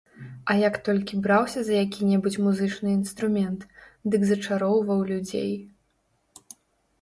А як толькі браўся за які-небудзь музычны інструмент, дык зачароўваў людзей.